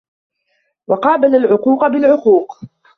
وَقَابَلَ الْعُقُوقَ بِالْعُقُوقِ